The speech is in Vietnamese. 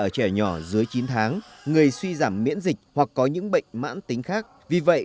ở trẻ nhỏ dưới chín tháng người suy giảm miễn dịch hoặc có những bệnh mãn tính khác vì vậy